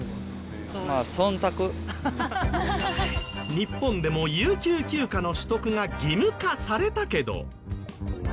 日本でも有給休暇の取得が義務化されたけど。